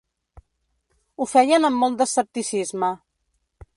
Ho feien amb molt d’escepticisme.